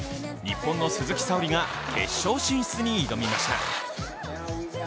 日本の鈴木沙織が決勝進出に挑みました。